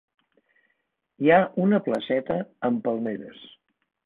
Hi ha una placeta amb palmeres.